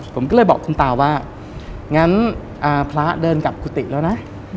ผมก็เลยบอกคุณตาว่างั้นพระเดินกลับกุฏิแล้วนะ